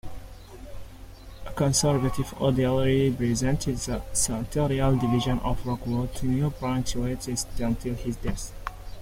A Conservative, Odell represented the senatorial division of Rockwood, New Brunswick until his death.